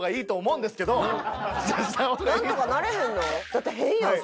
だって変やん